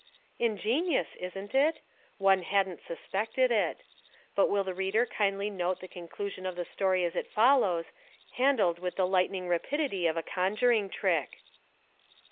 " Ingenious, isn't it? One hadn't suspected It. But will the reader kindly note the conclusion of the story as it follows, handled with the lightning rapidity of a conjuring trick.